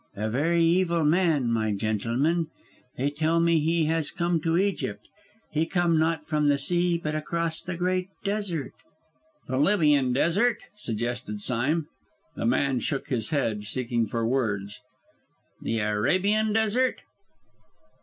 A very evil man, my gentlemen. They tell me he has come to Egypt. He come not from the sea, but across the great desert " "The Libyan Desert?" suggested Sime. The man shook, his head, seeking for words. "The Arabian Desert?"